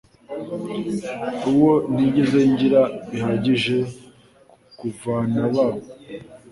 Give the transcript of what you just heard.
uwo ntigeze ngira bihagije kuvanabaho